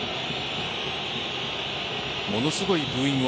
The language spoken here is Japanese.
ものすごいブーイング。